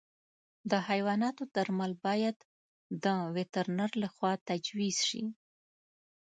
د حیواناتو درمل باید د وترنر له خوا تجویز شي.